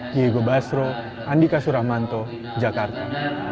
diego basro andika suramanto jakarta